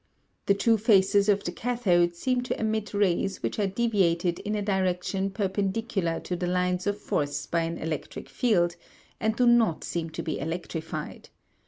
The two faces of the cathode seem to emit rays which are deviated in a direction perpendicular to the lines of force by an electric field, and do not seem to be electrified.